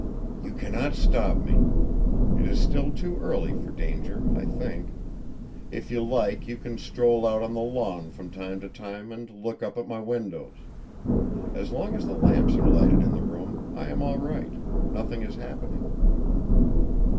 "You cannot stop me. It is still too early for danger, I think. If you like, you can stroll out on the lawn from time to time and look up at my windows. As long as the lamps are lighted in the room, I am all right. Nothing is happening."